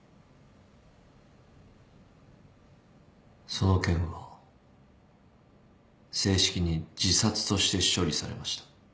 その件は正式に自殺として処理されました。